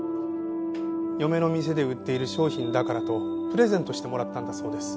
嫁の店で売っている商品だからとプレゼントしてもらったんだそうです。